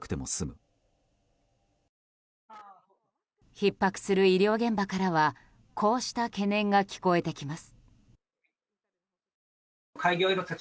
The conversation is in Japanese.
ひっ迫する医療現場からはこうした懸念が聞こえてきます。